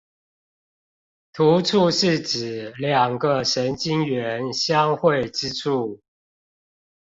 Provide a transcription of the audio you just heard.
突觸是指兩個神經元相會之處